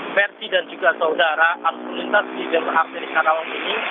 versi dan juga saudara arus perlintas di jalur arteri karawang ini